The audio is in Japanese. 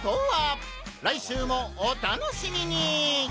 来週もお楽しみに！